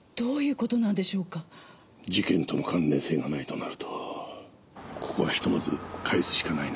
事件との関連性がないとなるとここはひとまず帰すしかないな。